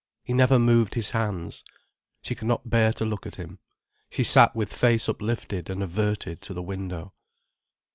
He never moved his hands. She could not bear to look at him. She sat with face uplifted and averted to the window.